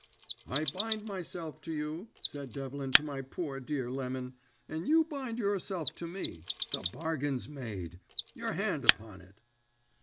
"'I bind myself to you,' said Devlin to my poor dear Lemon, 'and you bind yourself to me. The bargain's made. Your hand upon it.'